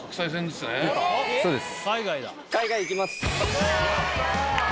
そうです。